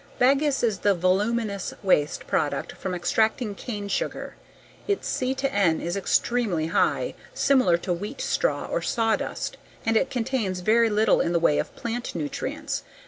Bagasse is the voluminous waste product from extracting cane sugar. Its C/N is extremely high, similar to wheat straw or sawdust, and it contains very little in the way of plant nutrients.